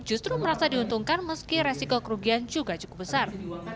justru merasa diuntungkan meski resiko kerugian juga cukup besar